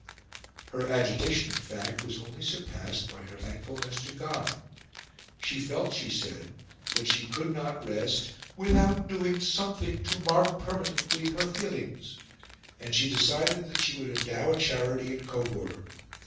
Her agitation, in fact, was only surpassed by her thankfulness to God. She felt, she said, that she could not rest "without doing something to mark permanently her feelings," and she decided that she would endow a charity in Coburg.